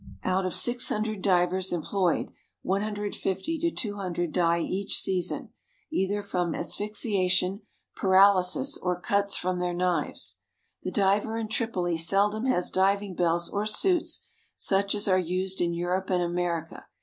Out of 600 divers employed, 150 to 200 die each season, either from asphyxiation, paralysis, or cuts from their knives. The diver in Tripoli seldom has diving bells or suits such as are used in Europe and America.